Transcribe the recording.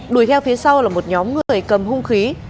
đuổi theo phía sau là một nhóm người cầm hung khí